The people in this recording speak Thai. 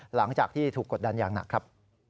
หลังจากที่ถูกกดดันอย่างหนักครับ